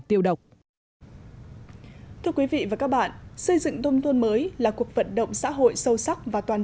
tiêu độc thưa quý vị và các bạn xây dựng nông thôn mới là cuộc vận động xã hội sâu sắc và toàn